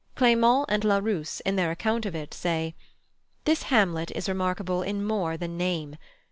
Clément and Larousse, in their account of it, say: "This Hamlet is remarkable in more than name.